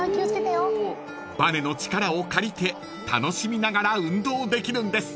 ［ばねの力を借りて楽しみながら運動できるんです］